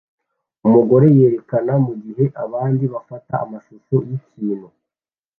Umugore yerekana mugihe abandi bafata amashusho yikintu